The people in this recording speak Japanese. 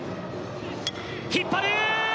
引っ張る！